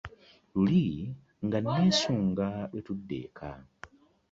Luli nga nnessunga lwe tudda eka.